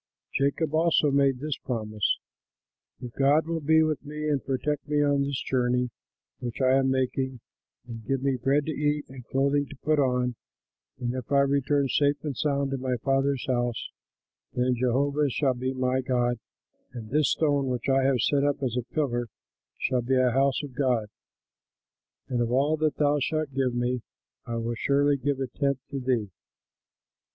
Jacob also made this promise, "If God will be with me and protect me on this journey which I am making and give me bread to eat and clothing to put on, and if I return safe and sound to my father's house, then Jehovah shall be my God, and this stone which I have set up as a pillar shall be a house of God. And of all that thou shalt give me I will surely give a tenth to thee."